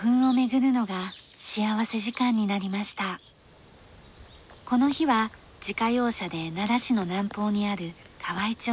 この日は自家用車で奈良市の南方にある河合町へ。